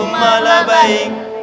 allahumma la baik